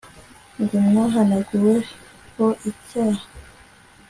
ngo mwahanaguwe ho icyaha